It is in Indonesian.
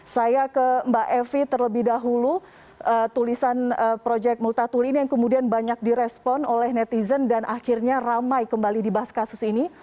saya ke mbak evi terlebih dahulu tulisan proyek multatul ini yang kemudian banyak direspon oleh netizen dan akhirnya ramai kembali dibahas kasus ini